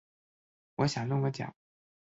我想弄个奖